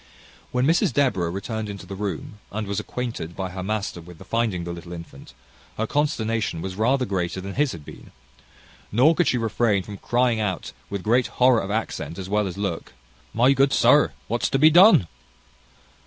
When Mrs Deborah returned into the room, and was acquainted by her master with the finding the little infant, her consternation was rather greater than his had been; nor could she refrain from crying out, with great horror of accent as well as look, "My good sir! what's to be done?"